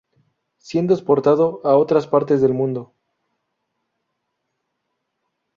Siendo exportado a otras partes del mundo.